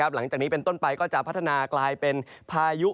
หลังจากนี้เป็นต้นไปก็จะพัฒนากลายเป็นพายุ